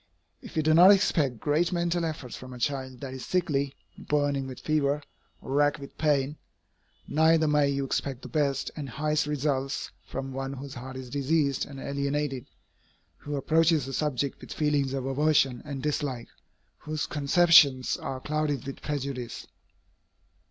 If you do not expect great mental efforts from a child that is sickly, burning with fever, or racked with pain, neither may you expect the best and highest results from one whose heart is diseased and alienated, who approaches a subject with feelings of aversion and dislike, whose conceptions are clouded with prejudice.